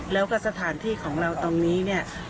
แล้วก็สถานที่ของเราตรงนี้เนี่ย